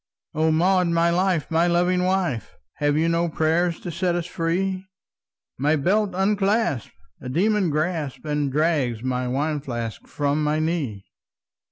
"O Maud, my life! my loving wife! Have you no prayer to set us free? My belt unclasps, a demon grasps And drags my wine flask from my knee!"